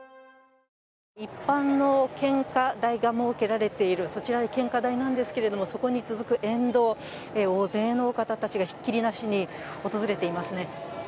一般の献花台が設けられている、こちら、献花台なんですけれどもそこに続く沿道、大勢の方たちがひっきりなしに訪れていますね。